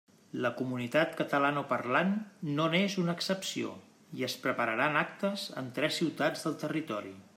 La comunitat catalanoparlant no n'és una excepció i es prepararan actes en tres ciutats del territori.